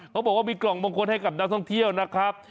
เขาบอกว่ามีกล่องมงคลให้กับนักท่องเที่ยวนะครับ